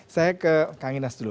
saya ke kang inas dulu